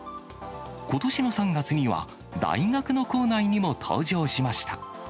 ことしの３月には、大学の構内にも登場しました。